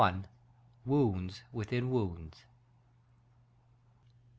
Wounds within Wounds.